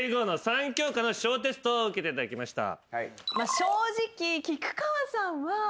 正直。